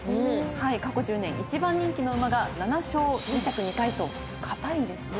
はい過去１０年１番人気の馬が７勝２着２回と堅いですね。